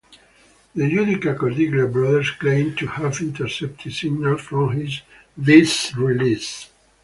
The Judica Cordiglia brothers claimed to have intercepted signals from this release.